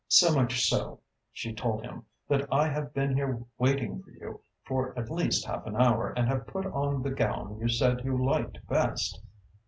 "So much so," she told him, "that I have been here waiting for you for at least half an hour and I have put on the gown you said you liked best.